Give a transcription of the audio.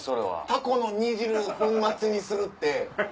タコの煮汁を粉末にするって。